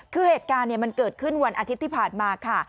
คือเหตุการณ์มันเกิดขึ้นวันอาทิตย์ที่ผ่านมาค่ะ